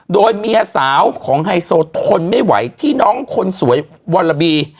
โดยเมียสาวของไฮโซทนไม่ไหวที่น้องคนสวยวรบี